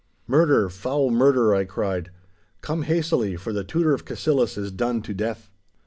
'Murder! Foul murder!' I cried. 'Come hastily, for the Tutor of Cassillis is done to death!